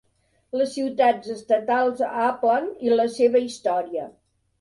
Les ciutats estatals a Uppland i la seva història.